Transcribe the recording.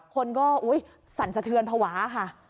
คนก็สั่นสะเทือนภาวะค่ะ